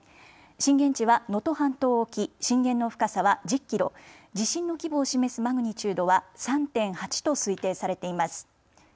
震源地は能登半島沖、震源の深さは１０キロ、地震の規模を示すマグニチュードは３．８と推定されています。